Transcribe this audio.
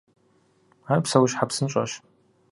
Ар псэущхьэ псынщӏэщ.